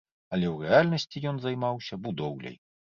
Але ў рэальнасці ён займаўся будоўляй.